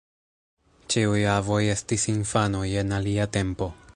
Ĉiuj avoj estis infanoj, en alia tempo.